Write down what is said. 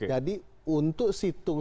jadi untuk situng